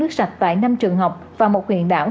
nước sạch tại năm trường học và một huyện đảo